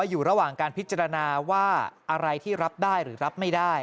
อยู่ระหว่างการพิจารณาว่าอะไรที่รับได้หรือรับไม่ได้